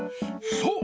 そう！